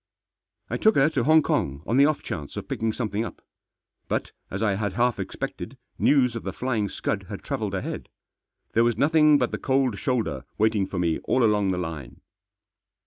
I took her to Hong Kong on the off chance of picking something up. But, as I had half expected, news of The Flying Scud had travelled ahead. There was nothing but the cold shoulder waiting for me all along the line.